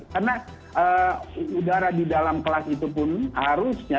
karena udara di dalam kelas itu pun harusnya